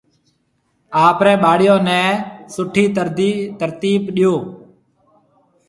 آپرَي ٻاݪون نَي سوٺِي ترتِيب ڏيو۔